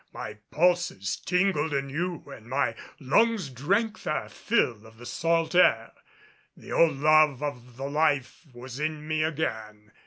My pulses tingled anew and my lungs drank their fill of the salt air. The old love of the life was in me again.